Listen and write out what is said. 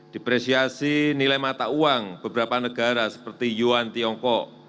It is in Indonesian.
depresiasi nilai mata uang beberapa negara seperti yuan tiongkok